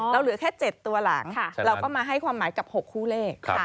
เหลือแค่๗ตัวหลังเราก็มาให้ความหมายกับ๖คู่เลข